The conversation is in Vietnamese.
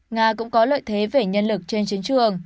nga cũng có lợi thế về nhân lực trên chiến trường